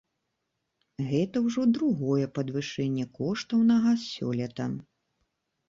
Гэта ўжо другое падвышэнне коштаў на газ сёлета.